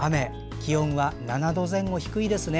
気温は７度前後、低いですね。